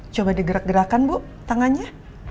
coba digerak gerakkan bu tangannya